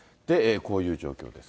こういう状況です。